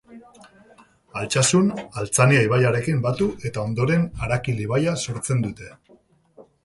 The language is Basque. Altsasun Altzania ibaiarekin batu eta ondoren Arakil ibaia sortzen dute.